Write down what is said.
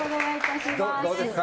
どうですか？